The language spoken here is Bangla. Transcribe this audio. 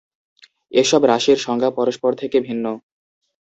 এসব রাশির সংজ্ঞা পরস্পর থেকে ভিন্ন।